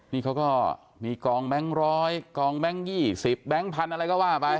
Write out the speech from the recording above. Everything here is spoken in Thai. นี่เขาก็มีกองแบงก์ร้อยกองแบงก์ยี่สิบแบงก์พันธุ์อะไรก็ว่าไป